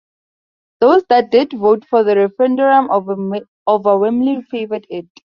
Those that did vote for the referendum overwhelmingly favored it.